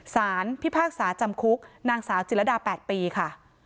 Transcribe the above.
ศาลพิพาคศาสตร์จำคลุกนางสาวจิตรดา๘ปีค่ะ